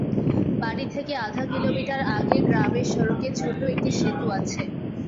বাড়ি থেকে আধা কিলোমিটার আগে গ্রামের সড়কে ছোট একটি সেতু আছে।